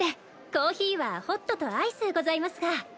コーヒーはホットとアイスございますが。